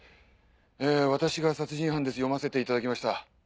『私が殺人犯です』読ませていただきました。